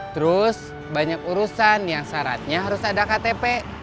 terus banyak urusan yang syaratnya harus ada ktp